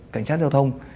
cảnh sát giao thông